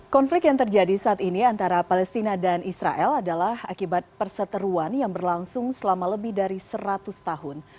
konflik yang terjadi saat ini antara palestina dan israel adalah akibat perseteruan yang berlangsung selama lebih dari seratus tahun